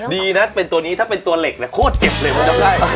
ดีนะเป็นตัวนี้ถ้าเป็นตัวเหล็กเนี่ยโคตรเจ็บเลยมันจำได้